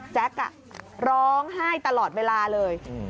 แจ๊คอ่ะร้องไห้ตลอดเวลาเลย